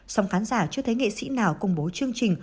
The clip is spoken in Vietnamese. song khán giả chưa thấy nghệ sĩ nào công bố chương trình